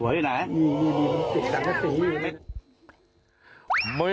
หัวไหนนี่ติดตั้งหาสี